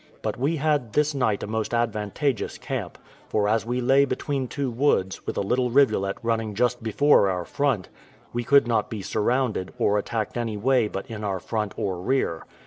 But we had this night a most advantageous camp: for as we lay between two woods, with a little rivulet running just before our front, we could not be surrounded, or attacked any way but in our front or rear.